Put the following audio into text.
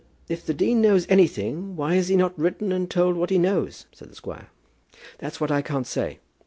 "If the dean knows anything, why has he not written and told what he knows?" said the squire. "That's what I can't say.